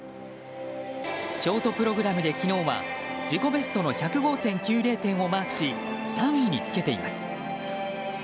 ショートプログラムで昨日は自己ベストの１０５．９０点をマークし、３位につけています。